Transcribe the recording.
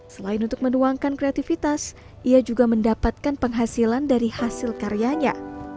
selain untuk menuangkan kreativitas ia juga mendapatkan penghasilan dari hasil karyanya